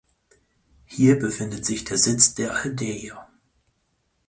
Hier befindet sich der Sitz der Aldeia.